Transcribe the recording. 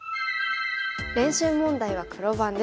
練習問題は黒番です。